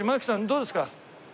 どうですか？